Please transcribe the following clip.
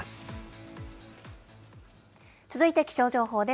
続いて気象情報です。